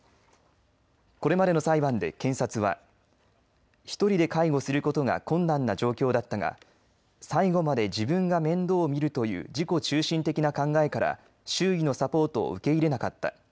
これまでの裁判で検察は１人で介護することが困難な状況だったが最後まで自分が面倒を見るという自己中心的な考えから周囲のサポートを受け入れなかった。